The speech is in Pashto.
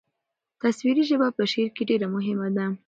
تصویري ژبه په شعر کې ډېره مهمه ده.